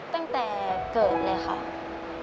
ตั้งแต่เกิดแล้ว